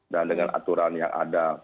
dan dengan aturan yang ada